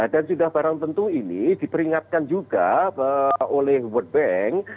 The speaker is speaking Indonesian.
dan sudah barang tentu ini diperingatkan juga oleh world bank